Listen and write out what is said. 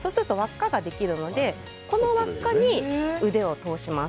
そうすると輪っかができますのでこの輪っかに腕を通します。